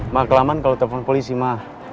ma kelamaan kalau telepon polisi ma